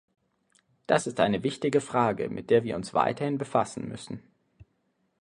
Das ist eine wichtige Frage, mit der wir uns weiterhin befassen müssen.